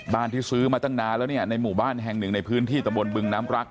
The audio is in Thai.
ที่ซื้อมาตั้งนานแล้วเนี่ยในหมู่บ้านแห่งหนึ่งในพื้นที่ตะบนบึงน้ำรัก